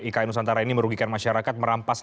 ik indonesia merugikan masyarakat merampas